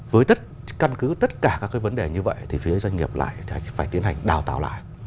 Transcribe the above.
với căn cứ tất cả các vấn đề như vậy thì doanh nghiệp lại phải tiến hành đào tạo lại